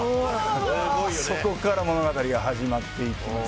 そこから物語が始まっていきます。